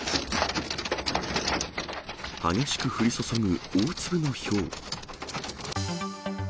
激しく降り注ぐ大粒のひょう。